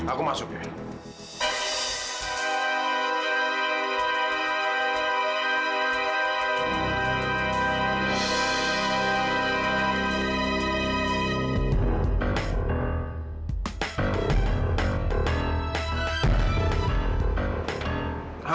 aku masuk ya